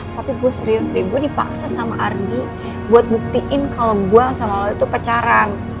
tapi gue serius deh gue dipaksa sama ardi buat buktiin kalau gue sama allah itu pecaran